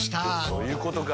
そういうことか。